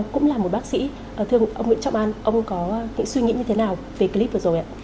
cũng là một bác sĩ thưa ông nguyễn trọng an ông có những suy nghĩ như thế nào về clip vừa rồi ạ